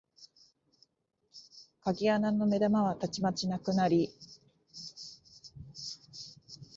鍵穴の眼玉はたちまちなくなり、